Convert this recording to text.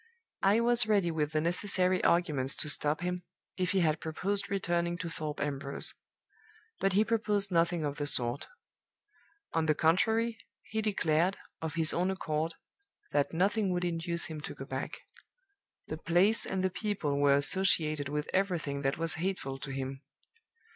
I was ready with the necessary arguments to stop him, if he had proposed returning to Thorpe Ambrose. But he proposed nothing of the sort. On the contrary, he declared, of his own accord, that nothing would induce him to go back. The place and the people were associated with everything that was hateful to him.